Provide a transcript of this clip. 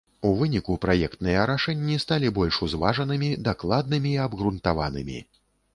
У выніку праектныя рашэнні сталі больш узважанымі, дакладнымі і абгрунтаванымі.